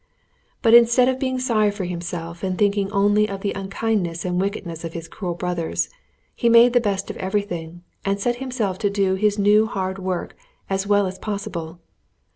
But instead of being sorry for himself, and thinking only of the unkindness and wickedness of his cruel brothers, he made the best of everything, and set himself to do his new hard work as well as possible.